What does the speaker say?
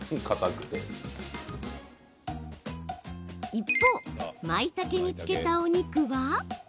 一方まいたけにつけたお肉は。